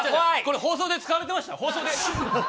放送で使われてました？